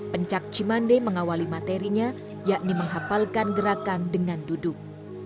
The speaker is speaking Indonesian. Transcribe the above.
pencac cemande mengawali materinya yakni menghapalkan gerakan dengan duduk